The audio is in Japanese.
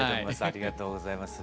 ありがとうございます。